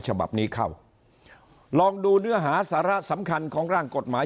ฉบับนี้เข้าลองดูเนื้อหาสาระสำคัญของร่างกฎหมาย